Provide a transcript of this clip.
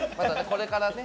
これからね。